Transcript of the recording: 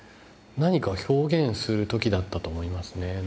何か表現する時だったと思いますね。